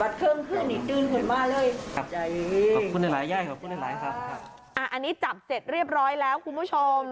อันนี้จับเสร็จเรียบร้อยแล้วคุณผู้ชม